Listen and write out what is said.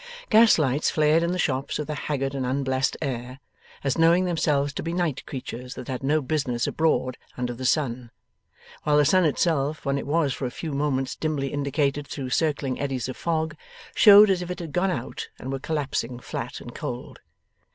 Gaslights flared in the shops with a haggard and unblest air, as knowing themselves to be night creatures that had no business abroad under the sun; while the sun itself when it was for a few moments dimly indicated through circling eddies of fog, showed as if it had gone out and were collapsing flat and cold.